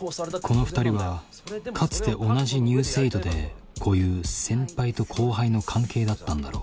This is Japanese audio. この２人はかつて同じ「ニュース８」でこういう先輩と後輩の関係だったんだろう。